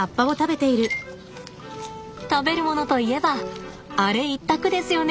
食べるものといえばアレ一択ですよね。